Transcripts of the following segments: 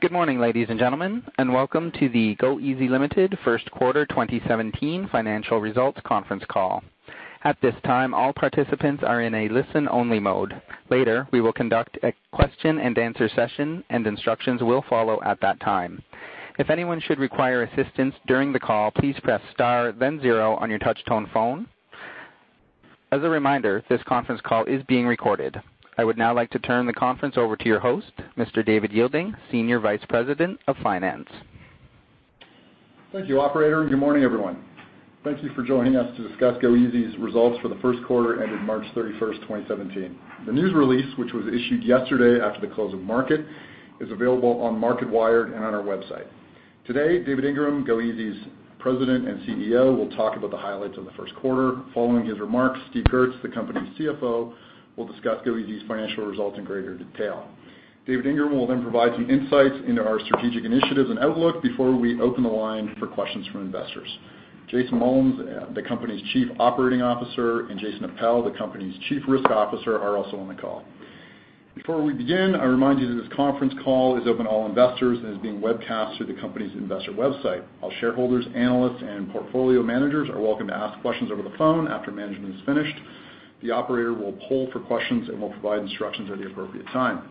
Good morning, ladies and gentlemen, and welcome to the goeasy Ltd. First Quarter 2017 Financial Results conference call. At this time, all participants are in a listen-only mode. Later, we will conduct a question-and-answer session, and instructions will follow at that time. If anyone should require assistance during the call, please press star then zero on your touch-tone phone. As a reminder, this conference call is being recorded. I would now like to turn the conference over to your host, Mr. David Yeilding, Senior Vice President of Finance. Thank you, operator, and good morning, everyone. Thank you for joining us to discuss goeasy's results for the first quarter ended March 31st, 2017. The news release, which was issued yesterday after the close of market, is available on Marketwired and on our website. Today, David Ingram, goeasy's President and CEO, will talk about the highlights of the first quarter. Following his remarks, Steve Goertz, the company's CFO, will discuss goeasy's financial results in greater detail. David Ingram will then provide some insights into our strategic initiatives and outlook before we open the line for questions from investors. Jason Mullins, the company's Chief Operating Officer, and Jason Appel, the company's Chief Risk Officer, are also on the call. Before we begin, I remind you that this conference call is open to all investors and is being webcast through the company's investor website. All shareholders, analysts, and portfolio managers are welcome to ask questions over the phone after management is finished. The operator will poll for questions and will provide instructions at the appropriate time.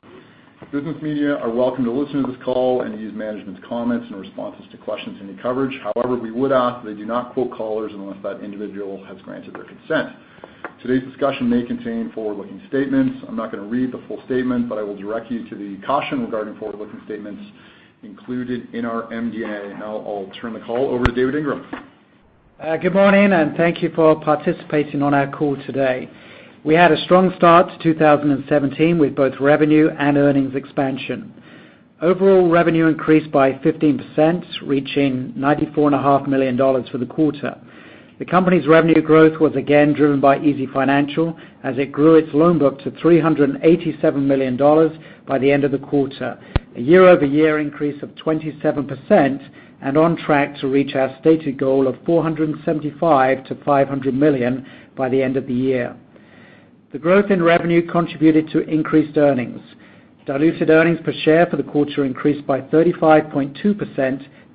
Business media are welcome to listen to this call and use management's comments and responses to questions in your coverage. However, we would ask they do not quote callers unless that individual has granted their consent. Today's discussion may contain forward-looking statements. I'm not gonna read the full statement, but I will direct you to the caution regarding forward-looking statements included in our MD&A. Now I'll turn the call over to David Ingram. Good morning, and thank you for participating on our call today. We had a strong start to 2017, with both revenue and earnings expansion. Overall revenue increased by 15%, reaching 94.5 million dollars for the quarter. The company's revenue growth was again driven by easyfinancial, as it grew its loan book to 387 million dollars by the end of the quarter, a year-over-year increase of 27% and on track to reach our stated goal of 475 million-500 million by the end of the year. The growth in revenue contributed to increased earnings. Diluted earnings per share for the quarter increased by 35.2%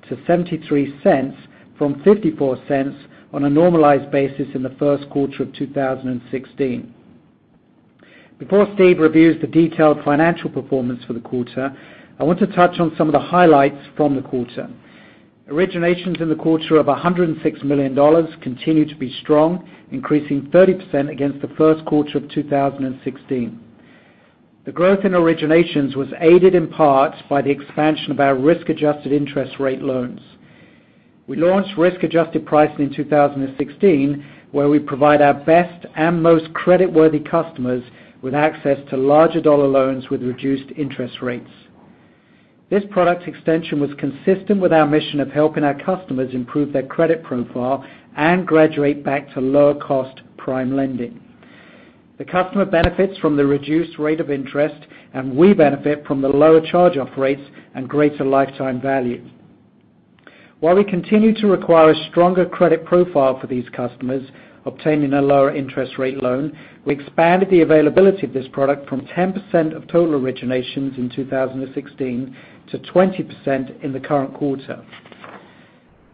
to 0.73 from 0.54 on a normalized basis in the first quarter of 2016. Before Steve reviews the detailed financial performance for the quarter, I want to touch on some of the highlights from the quarter. Originations in the quarter of 106 million dollars continued to be strong, increasing 30% against the first quarter of 2016. The growth in originations was aided in part by the expansion of our risk-adjusted interest rate loans. We launched risk-adjusted pricing in 2016, where we provide our best and most creditworthy customers with access to larger dollar loans with reduced interest rates. This product extension was consistent with our mission of helping our customers improve their credit profile and graduate back to lower-cost prime lending. The customer benefits from the reduced rate of interest, and we benefit from the lower charge-off rates and greater lifetime value. While we continue to require a stronger credit profile for these customers obtaining a lower interest rate loan, we expanded the availability of this product from 10% of total originations in 2016 to 20% in the current quarter.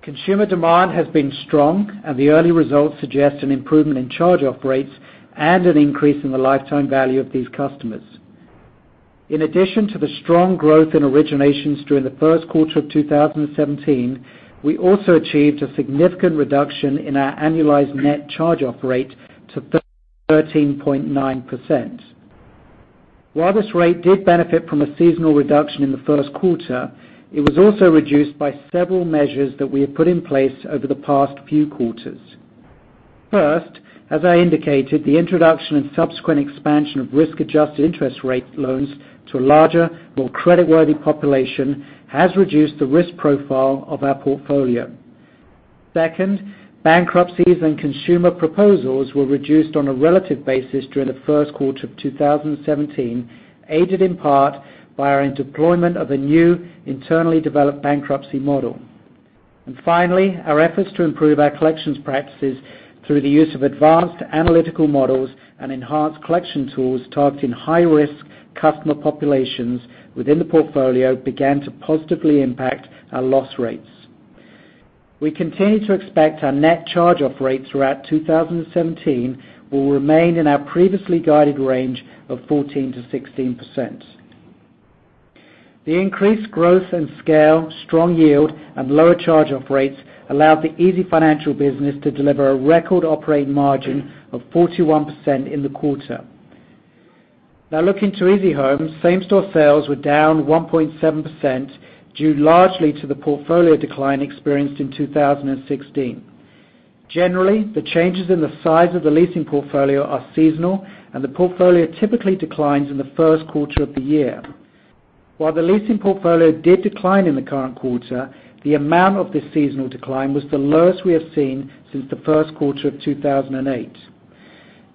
Consumer demand has been strong, and the early results suggest an improvement in charge-off rates and an increase in the lifetime value of these customers. In addition to the strong growth in originations during the first quarter of 2017, we also achieved a significant reduction in our annualized net charge-off rate to 13.9%. While this rate did benefit from a seasonal reduction in the first quarter, it was also reduced by several measures that we have put in place over the past few quarters. First, as I indicated, the introduction and subsequent expansion of risk-adjusted interest rate loans to a larger, more creditworthy population has reduced the risk profile of our portfolio. Second, bankruptcies and consumer proposals were reduced on a relative basis during the first quarter of 2017, aided in part by our deployment of a new internally developed bankruptcy model. And finally, our efforts to improve our collections practices through the use of advanced analytical models and enhanced collection tools targeted in high-risk customer populations within the portfolio began to positively impact our loss rates. We continue to expect our net charge-off rates throughout 2017 will remain in our previously guided range of 14%-16%. The increased growth and scale, strong yield, and lower charge-off rates allowed the easyfinancial business to deliver a record operating margin of 41% in the quarter. Now, looking to easyhome, same-store sales were down 1.7%, due largely to the portfolio decline experienced in 2016. Generally, the changes in the size of the leasing portfolio are seasonal, and the portfolio typically declines in the first quarter of the year. While the leasing portfolio did decline in the current quarter, the amount of this seasonal decline was the lowest we have seen since the first quarter of 2008.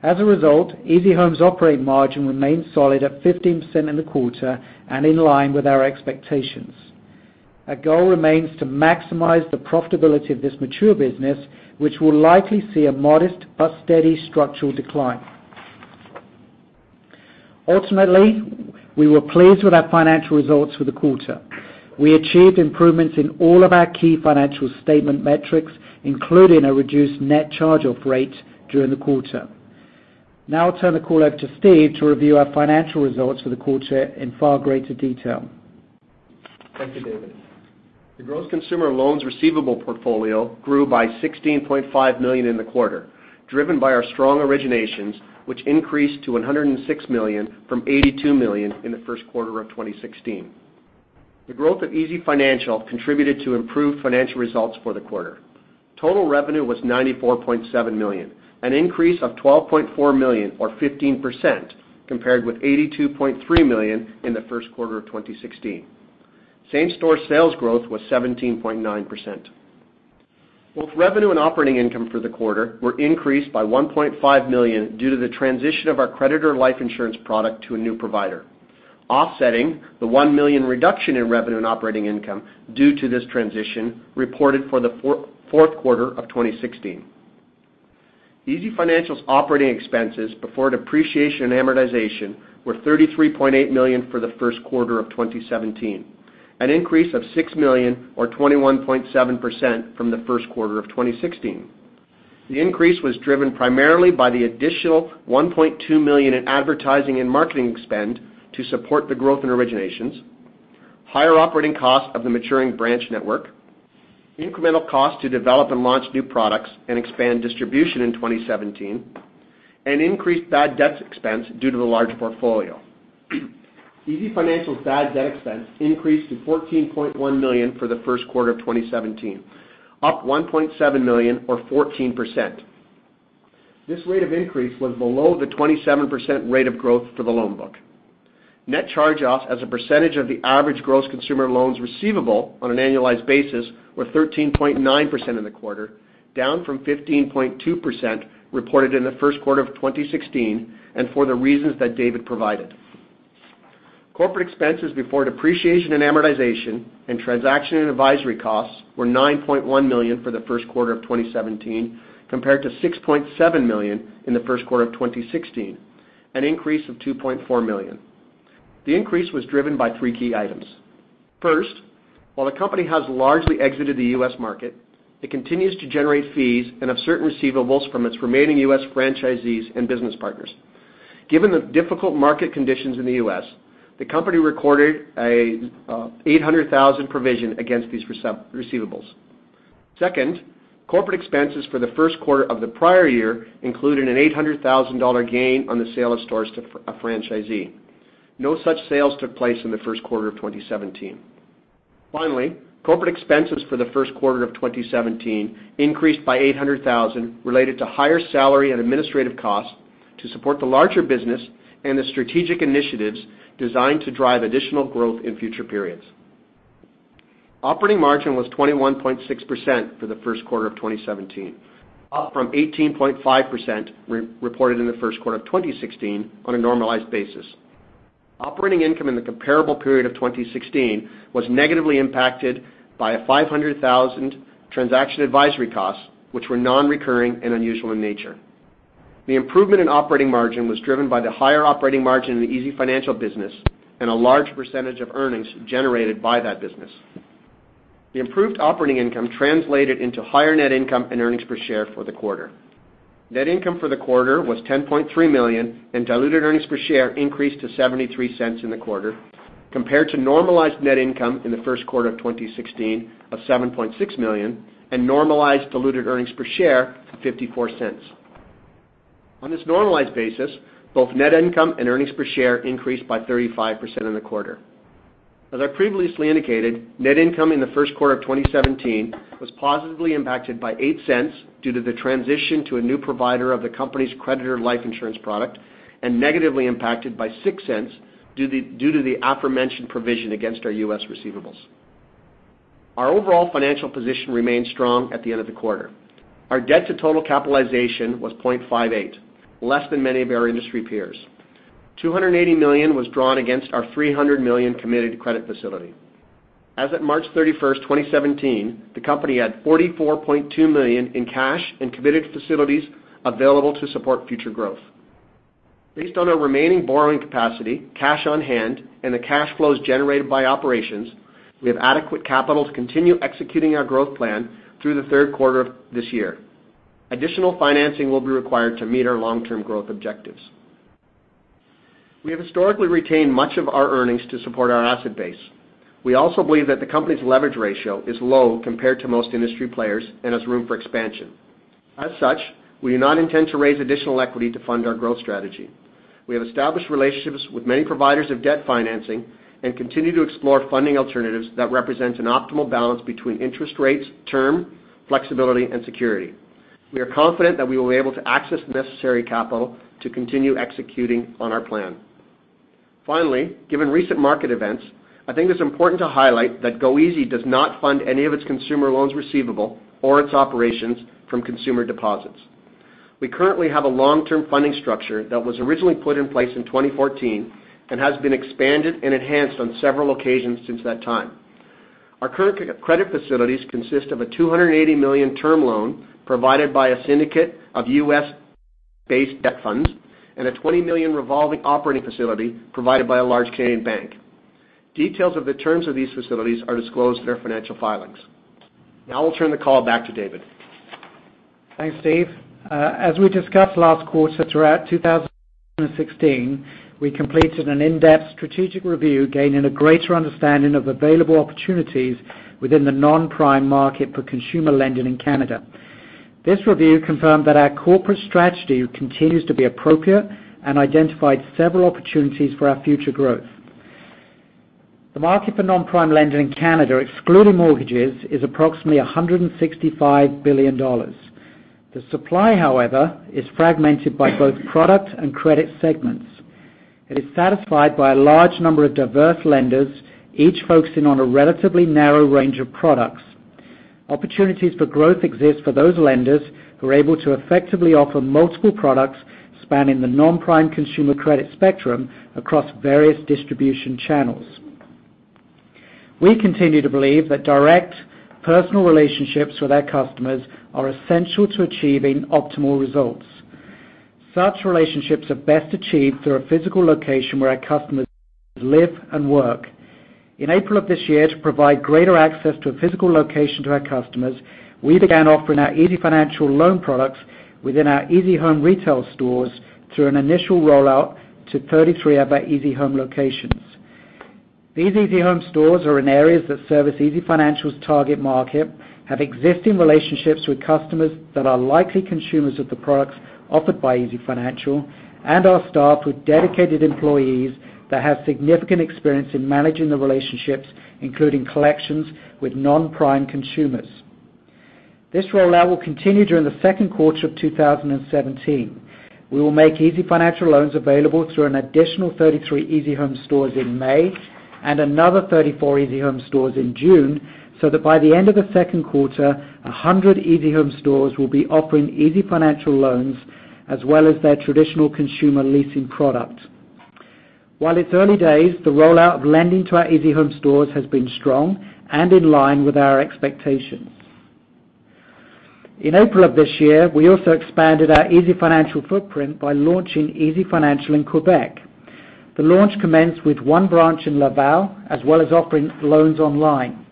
As a result, easyhome's operating margin remained solid at 15% in the quarter and in line with our expectations. Our goal remains to maximize the profitability of this mature business, which will likely see a modest but steady structural decline. Ultimately, we were pleased with our financial results for the quarter. We achieved improvements in all of our key financial statement metrics, including a reduced net charge-off rate during the quarter. Now I'll turn the call over to Steve to review our financial results for the quarter in far greater detail. Thank you, David. The gross consumer loans receivable portfolio grew by 16.5 million in the quarter, driven by our strong originations, which increased to 106 million from 82 million in the first quarter of 2016. The growth of easyfinancial contributed to improved financial results for the quarter. Total revenue was 94.7 million, an increase of 12.4 million or 15%, compared with 82.3 million in the first quarter of 2016. Same-store sales growth was 17.9%. Both revenue and operating income for the quarter were increased by 1.5 million due to the transition of our creditor life insurance product to a new provider, offsetting the 1 million reduction in revenue and operating income due to this transition reported for the fourth quarter of 2016. easyfinancial's operating expenses before depreciation and amortization were 33.8 million for the first quarter of 2017, an increase of 6 million or 21.7% from the first quarter of 2016. The increase was driven primarily by the additional 1.2 million in advertising and marketing spend to support the growth in originations, higher operating costs of the maturing branch network, incremental costs to develop and launch new products and expand distribution in 2017, and increased bad debts expense due to the large portfolio. easyfinancial's bad debt expense increased to 14.1 million for the first quarter of 2017, up 1.7 million or 14%. This rate of increase was below the 27% rate of growth for the loan book. Net charge-offs as a percentage of the average gross consumer loans receivable on an annualized basis were 13.9% in the quarter, down from 15.2% reported in the first quarter of 2016, and for the reasons that David provided. Corporate expenses before depreciation and amortization and transaction and advisory costs were 9.1 million for the first quarter of 2017, compared to 6.7 million in the first quarter of 2016, an increase of 2.4 million. The increase was driven by three key items. First, while the company has largely exited the U.S. market, it continues to generate fees and have certain receivables from its remaining U.S. franchisees and business partners. Given the difficult market conditions in the U.S., the company recorded an 800,000 provision against these receivables. Second, corporate expenses for the first quarter of the prior year included a 800,000 dollar gain on the sale of stores to a franchisee. No such sales took place in the first quarter of 2017. Finally, corporate expenses for the first quarter of 2017 increased by 800,000, related to higher salary and administrative costs to support the larger business and the strategic initiatives designed to drive additional growth in future periods. Operating margin was 21.6% for the first quarter of 2017 up from 18.5% re-reported in the first quarter of 2016 on a normalized basis. Operating income in the comparable period of 2016 was negatively impacted by 500,000 transaction advisory costs, which were nonrecurring and unusual in nature. The improvement in operating margin was driven by the higher operating margin in the easyfinancial business and a large percentage of earnings generated by that business. The improved operating income translated into higher net income and earnings per share for the quarter. Net income for the quarter was 10.3 million, and diluted earnings per share increased to 0.73 in the quarter, compared to normalized net income in the first quarter of 2016 of 7.6 million and normalized diluted earnings per share to 0.54. On this normalized basis, both net income and earnings per share increased by 35% in the quarter. As I previously indicated, net income in the first quarter of 2017 was positively impacted by 0.08 due to the transition to a new provider of the company's creditor life insurance product, and negatively impacted by 0.06 due to the aforementioned provision against our U.S. receivables. Our overall financial position remained strong at the end of the quarter. Our debt to total capitalization was 0.58, less than many of our industry peers. 280 million was drawn against our 300 million committed credit facility. As at March 31, 2017, the company had 44.2 million in cash and committed facilities available to support future growth. Based on our remaining borrowing capacity, cash on hand, and the cash flows generated by operations, we have adequate capital to continue executing our growth plan through the third quarter of this year. Additional financing will be required to meet our long-term growth objectives. We have historically retained much of our earnings to support our asset base. We also believe that the company's leverage ratio is low compared to most industry players and has room for expansion. As such, we do not intend to raise additional equity to fund our growth strategy. We have established relationships with many providers of debt financing and continue to explore funding alternatives that represent an optimal balance between interest rates, term, flexibility, and security. We are confident that we will be able to access the necessary capital to continue executing on our plan. Finally, given recent market events, I think it's important to highlight that goeasy does not fund any of its consumer loans receivable or its operations from consumer deposits. We currently have a long-term funding structure that was originally put in place in 2014 and has been expanded and enhanced on several occasions since that time. Our current credit facilities consist of a 280 million term loan provided by a syndicate of U.S.-based debt funds and a 20 million revolving operating facility provided by a large Canadian bank. Details of the terms of these facilities are disclosed in our financial filings. Now I'll turn the call back to David. Thanks, Steve. As we discussed last quarter, throughout 2016, we completed an in-depth strategic review, gaining a greater understanding of available opportunities within the non-prime market for consumer lending in Canada. This review confirmed that our corporate strategy continues to be appropriate and identified several opportunities for our future growth. The market for non-prime lending in Canada, excluding mortgages, is approximately 165 billion dollars. The supply, however, is fragmented by both product and credit segments. It is satisfied by a large number of diverse lenders, each focusing on a relatively narrow range of products. Opportunities for growth exist for those lenders who are able to effectively offer multiple products spanning the non-prime consumer credit spectrum across various distribution channels. We continue to believe that direct personal relationships with our customers are essential to achieving optimal results. Such relationships are best achieved through a physical location where our customers live and work. In April of this year, to provide greater access to a physical location to our customers, we began offering our easyfinancial loan products within our easyhome retail stores through an initial rollout to 33 of our easyhome locations. These easyhome stores are in areas that service easyfinancial's target market, have existing relationships with customers that are likely consumers of the products offered by easyfinancial, and are staffed with dedicated employees that have significant experience in managing the relationships, including collections, with non-prime consumers. This rollout will continue during the second quarter of 2019. We will make easyfinancial loans available through an additional 33 easyhome stores in May and another 34 easyhome stores in June, so that by the end of the second quarter, 100 easyhome stores will be offering easyfinancial loans as well as their traditional consumer leasing product. While it's early days, the rollout of lending to our easyhome stores has been strong and in line with our expectations. In April of this year, we also expanded our easyfinancial footprint by launching easyfinancial in Quebec. The launch commenced with one branch in Laval, as well as offering loans online.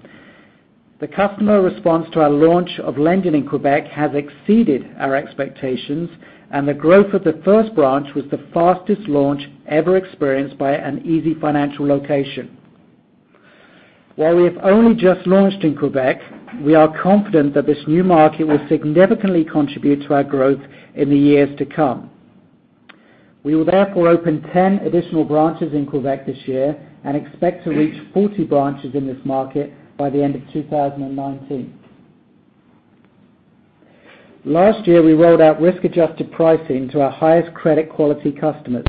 The customer response to our launch of lending in Quebec has exceeded our expectations, and the growth of the first branch was the fastest launch ever experienced by an easyfinancial location. While we have only just launched in Quebec, we are confident that this new market will significantly contribute to our growth in the years to come. We will therefore open 10 additional branches in Quebec this year and expect to reach 40 branches in this market by the end of 2019. Last year, we rolled out risk-adjusted pricing to our highest credit quality customers.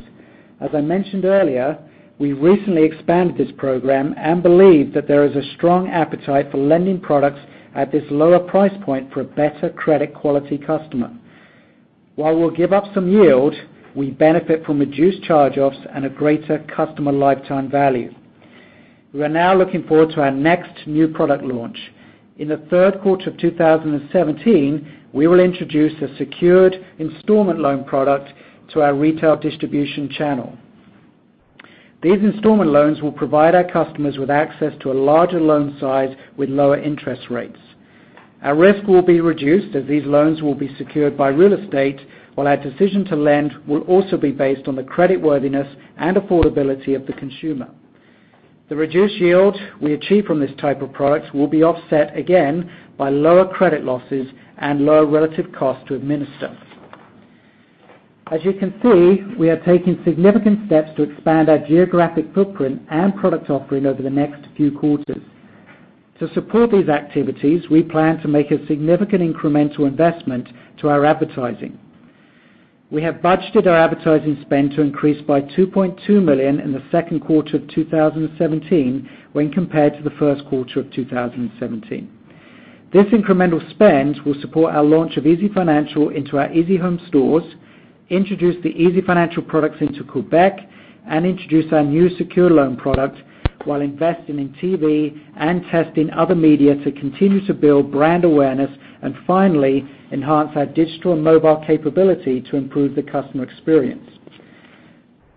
As I mentioned earlier, we recently expanded this program and believe that there is a strong appetite for lending products at this lower price point for a better credit quality customer. While we'll give up some yield, we benefit from reduced charge-offs and a greater customer lifetime value. We are now looking forward to our next new product launch. In the third quarter of 2017, we will introduce a secured installment loan product to our retail distribution channel. These installment loans will provide our customers with access to a larger loan size with lower interest rates. Our risk will be reduced as these loans will be secured by real estate, while our decision to lend will also be based on the creditworthiness and affordability of the consumer. The reduced yield we achieve from this type of product will be offset again by lower credit losses and lower relative cost to administer. As you can see, we are taking significant steps to expand our geographic footprint and product offering over the next few quarters. To support these activities, we plan to make a significant incremental investment to our advertising. We have budgeted our advertising spend to increase by 2.2 million in the second quarter of 2017 when compared to the first quarter of 2017. This incremental spend will support our launch of easyfinancial into our easyhome stores, introduce the easyfinancial products into Quebec, and introduce our new secured loan product while investing in TV and testing other media to continue to build brand awareness, and finally, enhance our digital and mobile capability to improve the customer experience.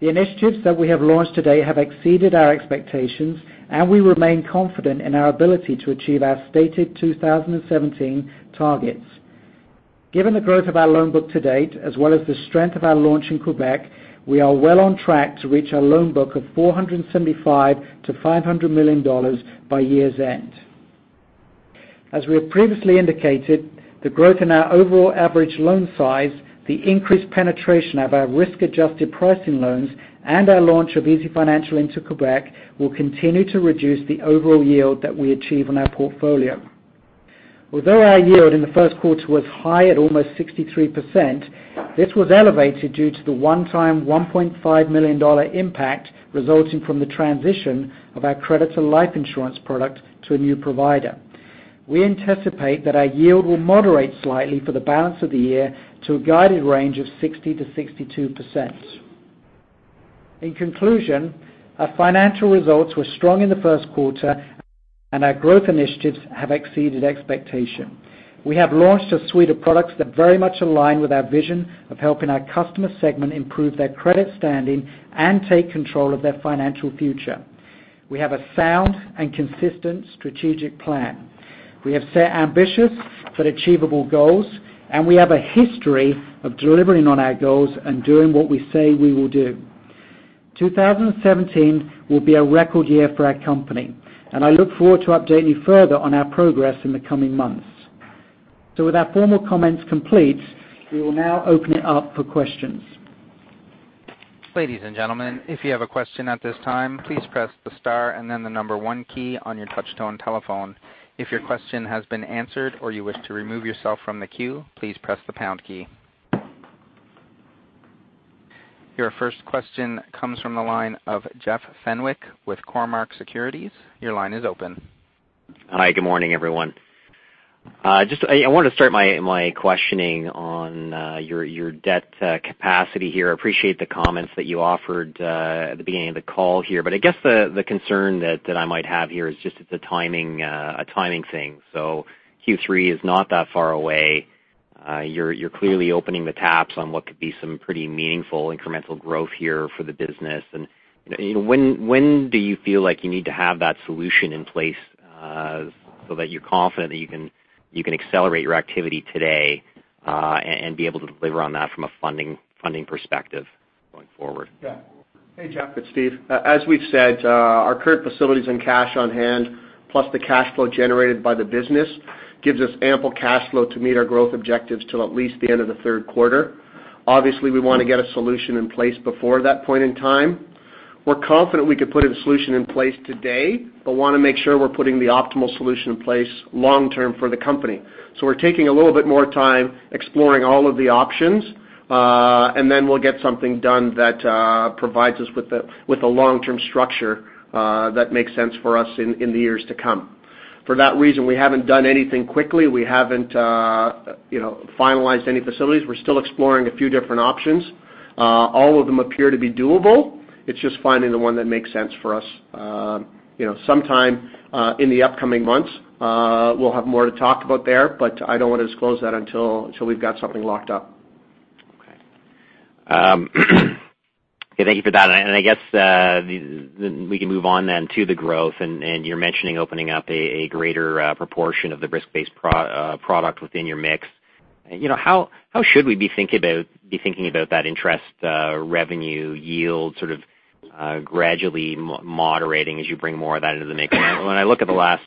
The initiatives that we have launched today have exceeded our expectations, and we remain confident in our ability to achieve our stated 2017 targets. Given the growth of our loan book to date, as well as the strength of our launch in Quebec, we are well on track to reach a loan book of 475 million-500 million dollars by year's end. As we have previously indicated, the growth in our overall average loan size, the increased penetration of our risk-adjusted pricing loans, and our launch of easyfinancial into Quebec will continue to reduce the overall yield that we achieve on our portfolio. Although our yield in the first quarter was high at almost 63%, this was elevated due to the one-time 1.5 million dollar impact resulting from the transition of our creditor life insurance product to a new provider. We anticipate that our yield will moderate slightly for the balance of the year to a guided range of 60%-62%. In conclusion, our financial results were strong in the first quarter, and our growth initiatives have exceeded expectations. We have launched a suite of products that very much align with our vision of helping our customer segment improve their credit standing and take control of their financial future. We have a sound and consistent strategic plan. We have set ambitious but achievable goals, and we have a history of delivering on our goals and doing what we say we will do. 2017 will be a record year for our company, and I look forward to updating you further on our progress in the coming months. So with our formal comments complete, we will now open it up for questions. Ladies and gentlemen, if you have a question at this time, please press the star and then the number one key on your touch-tone telephone. If your question has been answered or you wish to remove yourself from the queue, please press the pound key. Your first question comes from the line of Jeff Fenwick with Cormark Securities. Your line is open. Hi, good morning, everyone. Just, I want to start my questioning on your debt capacity here. I appreciate the comments that you offered at the beginning of the call here, but I guess the concern that I might have here is just it's a timing thing. So Q3 is not that far away. You're clearly opening the taps on what could be some pretty meaningful incremental growth here for the business. You know, when do you feel like you need to have that solution in place so that you're confident that you can accelerate your activity today and be able to deliver on that from a funding perspective going forward? Yeah. Hey, Jeff, it's Steve. As we've said, our current facilities and cash on hand, plus the cash flow generated by the business, gives us ample cash flow to meet our growth objectives till at least the end of the third quarter. Obviously, we want to get a solution in place before that point in time. We're confident we could put a solution in place today, but want to make sure we're putting the optimal solution in place long term for the company. So we're taking a little bit more time exploring all of the options, and then we'll get something done that provides us with a long-term structure that makes sense for us in the years to come. For that reason, we haven't done anything quickly. We haven't, you know, finalized any facilities. We're still exploring a few different options. All of them appear to be doable. It's just finding the one that makes sense for us. You know, sometime in the upcoming months, we'll have more to talk about there, but I don't want to disclose that until we've got something locked up. Okay. Thank you for that. And I guess we can move on then to the growth, and you're mentioning opening up a greater proportion of the risk-based product within your mix. You know, how should we be thinking about that interest revenue yield sort of gradually moderating as you bring more of that into the mix? When I look at the last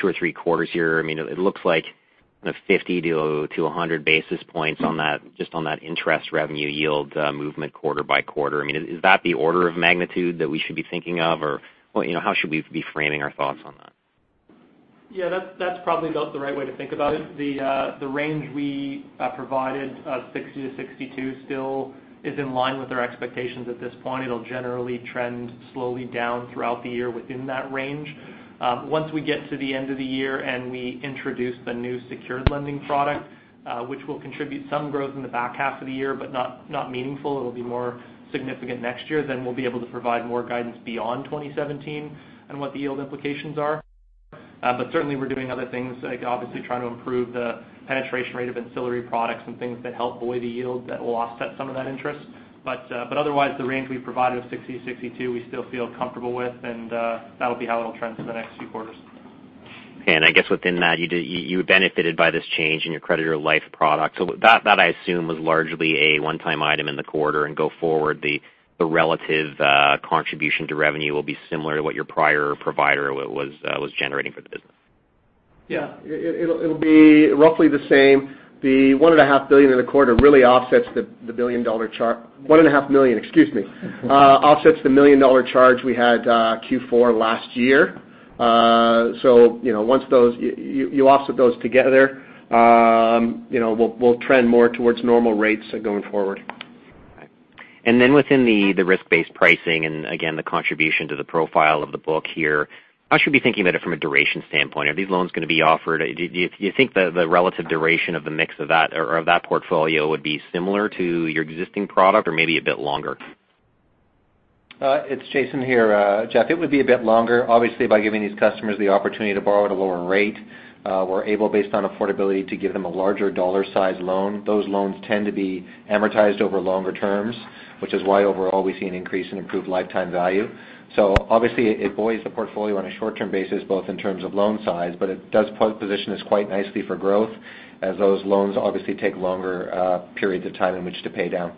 two or three quarters here, I mean, it looks like the 50 basis points-100 basis points on that, just on that interest revenue yield movement quarter by quarter. I mean, is that the order of magnitude that we should be thinking of? Or, well, you know, how should we be framing our thoughts on that? Yeah, that's, that's probably about the right way to think about it. The, the range we provided, 60 basis points-62 basis points, still is in line with our expectations at this point. It'll generally trend slowly down throughout the year within that range. Once we get to the end of the year and we introduce the new secured lending product, which will contribute some growth in the back half of the year, but not, not meaningful, it'll be more significant next year, then we'll be able to provide more guidance beyond 2017 and what the yield implications are. But certainly, we're doing other things, like obviously trying to improve the penetration rate of ancillary products and things that help buoy the yield that will offset some of that interest. But otherwise, the range we provided of 60 basis points-62 basis points, we still feel comfortable with, and that'll be how it'll trend for the next few quarters. I guess within that, you benefited by this change in your creditor life product. So that, I assume, was largely a one-time item in the quarter, and going forward, the relative contribution to revenue will be similar to what your prior provider was generating for the business. Yeah. It'll be roughly the same. The 1.5 billion in the quarter really offsets the 1.5 million dollar, excuse me, offsets the million-dollar charge we had Q4 last year. So you know, once those you offset those together, you know, we'll trend more towards normal rates going forward. And then within the risk-based pricing, and again, the contribution to the profile of the book here, how should we be thinking about it from a duration standpoint? Are these loans going to be offered? Do you think the relative duration of the mix of that or of that portfolio would be similar to your existing product or maybe a bit longer? It's Jason here. Jeff, it would be a bit longer. Obviously, by giving these customers the opportunity to borrow at a lower rate, we're able, based on affordability, to give them a larger dollar size loan. Those loans tend to be amortized over longer terms, which is why overall, we see an increase in improved lifetime value. So obviously, it buoys the portfolio on a short-term basis, both in terms of loan size, but it does position us quite nicely for growth as those loans obviously take longer periods of time in which to pay down.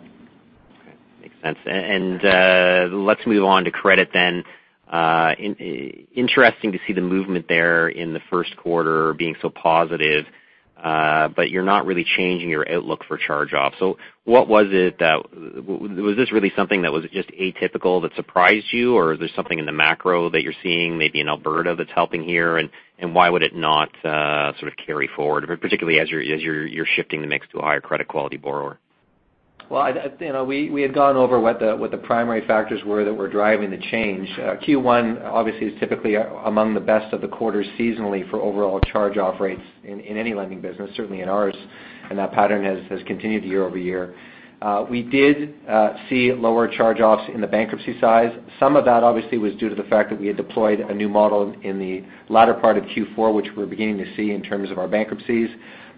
Okay. Makes sense. And, let's move on to credit then. Interesting to see the movement there in the first quarter being so positive, but you're not really changing your outlook for charge-off. So what was it that was this really something that was just atypical, that surprised you, or is there something in the macro that you're seeing, maybe in Alberta, that's helping here? And why would it not sort of carry forward, particularly as you're shifting the mix to a higher credit quality borrower? You know, we had gone over what the primary factors were that were driving the change. Q1 obviously is typically among the best of the quarters seasonally for overall charge-off rates in any lending business, certainly in ours, and that pattern has continued year-over-year. We did see lower charge-offs in the bankruptcies. Some of that, obviously, was due to the fact that we had deployed a new model in the latter part of Q4, which we're beginning to see in terms of our bankruptcies.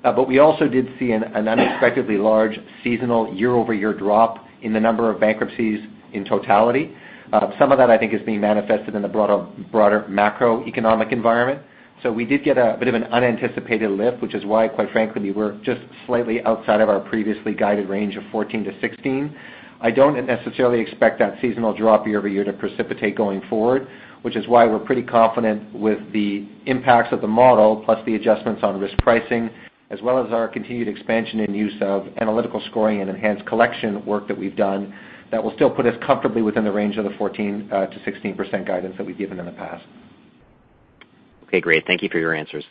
But we also did see an unexpectedly large seasonal year-over-year drop in the number of bankruptcies in totality. Some of that, I think, is being manifested in the broader macroeconomic environment. So we did get a bit of an unanticipated lift, which is why, quite frankly, we were just slightly outside of our previously guided range of 14%-16%. I don't necessarily expect that seasonal drop year-over-year to precipitate going forward, which is why we're pretty confident with the impacts of the model, plus the adjustments on risk pricing, as well as our continued expansion and use of analytical scoring and enhanced collection work that we've done, that will still put us comfortably within the range of the 14%-16% guidance that we've given in the past. Okay, great. Thank you for your answers.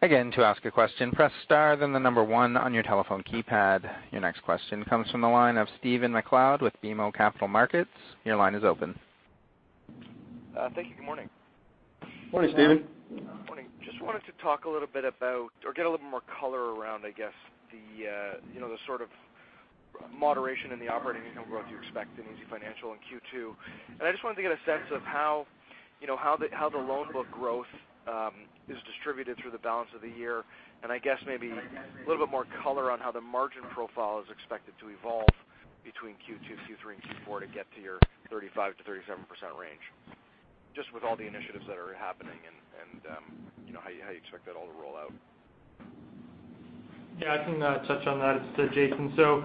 Again, to ask a question, press star, then the number one on your telephone keypad. Your next question comes from the line of Stephen MacLeod with BMO Capital Markets. Your line is open. Thank you. Good morning. Morning, Stephen. Morning. Just wanted to talk a little bit about or get a little more color around, I guess, the, you know, the sort of moderation in the operating income growth you expect in easyfinancial in Q2. And I just wanted to get a sense of how, you know, how the loan book growth is distributed through the balance of the year. And I guess maybe a little bit more color on how the margin profile is expected to evolve between Q2, Q3, and Q4 to get to your 35%-37% range. Just with all the initiatives that are happening and, you know, how you expect that all to roll out. Yeah, I can touch on that. It's Jason. So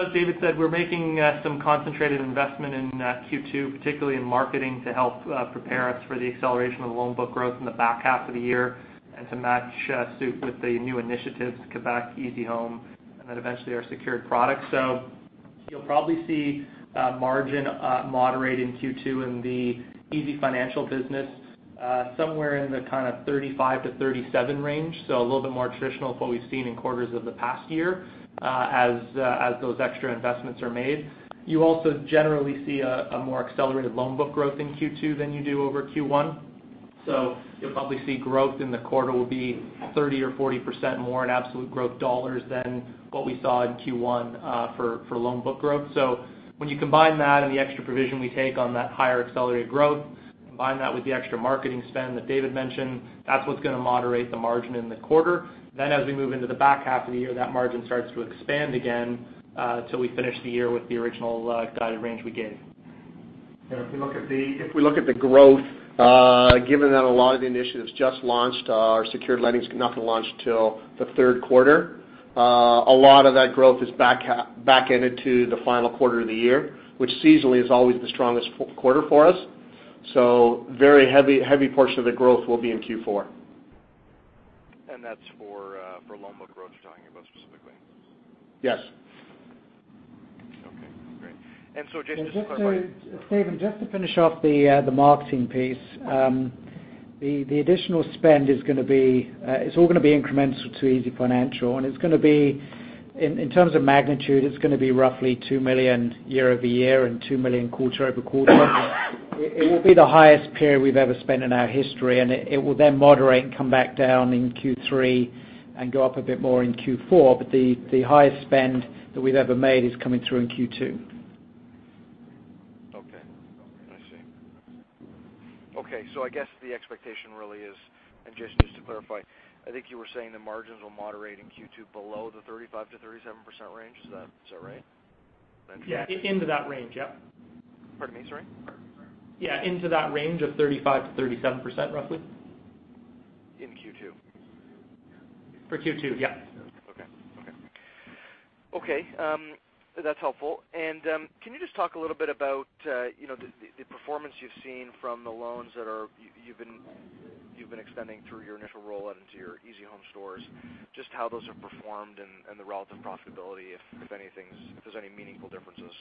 as David said, we're making some concentrated investment in Q2, particularly in marketing, to help prepare us for the acceleration of the loan book growth in the back half of the year and to match suit with the new initiatives, Quebec, easyhome, and then eventually our secured products. So you'll probably see margin moderate in Q2 in the easyfinancial business, somewhere in the kind of 35%-37% range. So a little bit more traditional to what we've seen in quarters of the past year, as those extra investments are made. You also generally see a more accelerated loan book growth in Q2 than you do over Q1. So you'll probably see growth in the quarter will be 30 or 40% more in absolute growth dollars than what we saw in Q1 for loan book growth. So when you combine that and the extra provision we take on that higher accelerated growth, combine that with the extra marketing spend that David mentioned, that's what's going to moderate the margin in the quarter. Then as we move into the back half of the year, that margin starts to expand again till we finish the year with the original guided range we gave. If we look at the growth, given that a lot of the initiatives just launched, our secured lending is not going to launch till the third quarter, a lot of that growth is back-ended to the final quarter of the year, which seasonally is always the strongest quarter for us, so a very heavy portion of the growth will be in Q4. And that's for loan book growth, you're talking about specifically? Yes. Okay, great. And so Jason, just to clarify- Stephen, just to finish off the marketing piece. The additional spend is going to be, it's all going to be incremental to easyfinancial, and it's going to be... In terms of magnitude, it's going to be roughly 2 million year-over-year and 2 million quarter over quarter. It will be the highest period we've ever spent in our history, and it will then moderate and come back down in Q3 and go up a bit more in Q4. But the highest spend that we've ever made is coming through in Q2. Okay, I see. Okay, so I guess the expectation really is, and just, just to clarify, I think you were saying the margins will moderate in Q2 below the 35%-37% range. Is that, is that right? Yeah, into that range. Yep. Pardon me, sorry? Yeah, into that range of 35%-37%, roughly. In Q2? For Q2, yeah. Okay, that's helpful. And, can you just talk a little bit about, you know, the performance you've seen from the loans that you've been extending through your initial rollout into your easyhome stores, just how those have performed and the relative profitability, if anything, if there's any meaningful differences?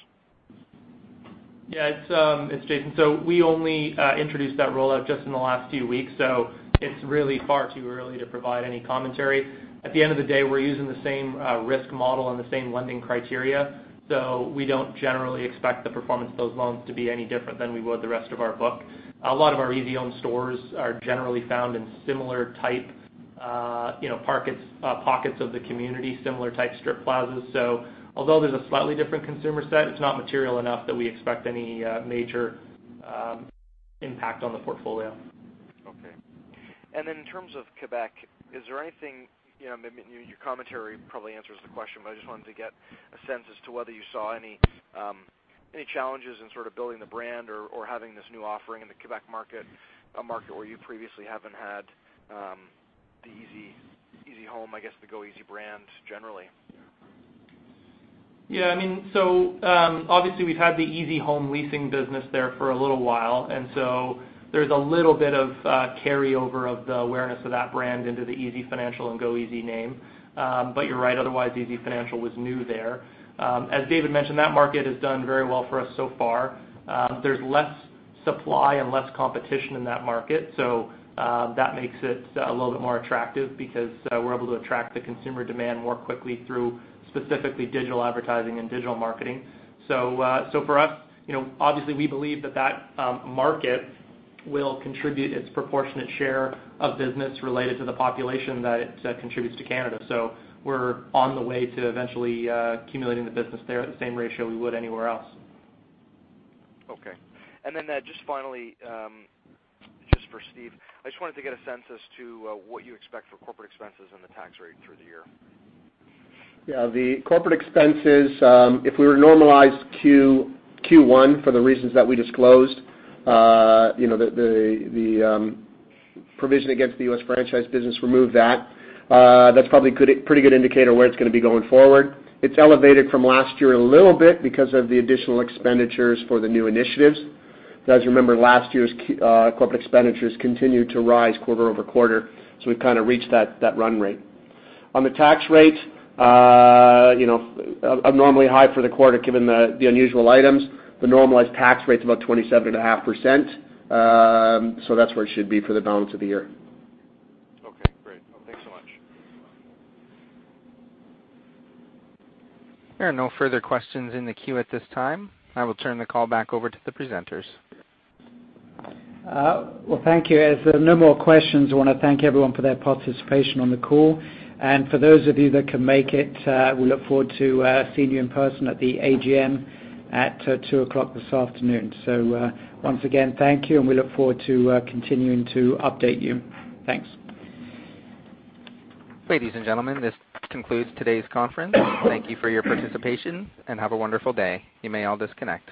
Yeah, it's Jason. So we only introduced that rollout just in the last few weeks, so it's really far too early to provide any commentary. At the end of the day, we're using the same risk model and the same lending criteria, so we don't generally expect the performance of those loans to be any different than we would the rest of our book. A lot of our easyhome stores are generally found in similar type you know pockets of the community, similar type strip plazas. So although there's a slightly different consumer set, it's not material enough that we expect any major impact on the portfolio. Okay. And then in terms of Quebec, is there anything... You know, maybe your commentary probably answers the question, but I just wanted to get a sense as to whether you saw any challenges in sort of building the brand or having this new offering in the Quebec market, a market where you previously haven't had the easyhome, I guess, the goeasy brand generally? Yeah, I mean, so obviously, we've had the easyhome leasing business there for a little while, and so there's a little bit of carryover of the awareness of that brand into the easyfinancial and goeasy name, but you're right, otherwise, easyfinancial was new there, as David mentioned, that market has done very well for us so far. There's less supply and less competition in that market, so that makes it a little bit more attractive because we're able to attract the consumer demand more quickly through specifically digital advertising and digital marketing, so for us, you know, obviously, we believe that that market will contribute its proportionate share of business related to the population that it contributes to Canada. So we're on the way to eventually accumulating the business there at the same ratio we would anywhere else. Okay. And then, just finally, just for Steve, I just wanted to get a sense as to what you expect for corporate expenses and the tax rate through the year. Yeah, the corporate expenses, if we were to normalize Q1 for the reasons that we disclosed, you know, the provision against the U.S. franchise business, remove that, that's probably a pretty good indicator of where it's gonna be going forward. It's elevated from last year a little bit because of the additional expenditures for the new initiatives. But as you remember, last year's corporate expenditures continued to rise quarter over quarter, so we've kind of reached that run rate. On the tax rate, you know, abnormally high for the quarter, given the unusual items. The normalized tax rate's about 27.5%. So that's where it should be for the balance of the year. Okay, great. Well, thanks so much. There are no further questions in the queue at this time. I will turn the call back over to the presenters. Well, thank you. As there are no more questions, I want to thank everyone for their participation on the call, and for those of you that can make it, we look forward to seeing you in person at the AGM at 2:00 P.M., so once again, thank you, and we look forward to continuing to update you. Thanks. Ladies and gentlemen, this concludes today's conference. Thank you for your participation, and have a wonderful day. You may all disconnect.